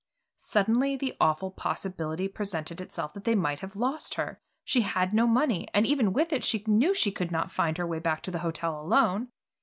Suddenly the awful possibility presented itself that they might have lost her. She had no money, and even with it, she knew she could not find her way back to the hotel alone.